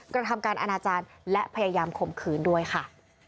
กระทำการอนาจารย์และพยายามข่มขืนด้วยค่ะ